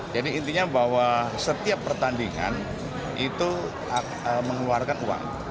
jadi intinya bahwa setiap pertandingan itu mengeluarkan uang